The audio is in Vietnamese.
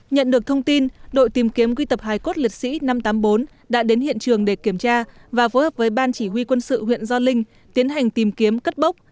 nhận được thông tin đội tìm kiếm quy tập hải cốt liệt sĩ năm trăm tám mươi bốn đã đến hiện trường để kiểm tra và phối hợp với ban chỉ huy quân sự huyện gio linh tiến hành tìm kiếm cất bốc